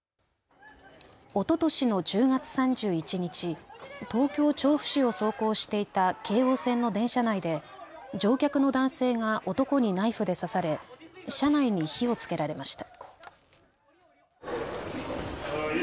おととしの１０月３１日、東京調布市を走行していた京王線の電車内で乗客の男性が男にナイフで刺され車内に火をつけられました。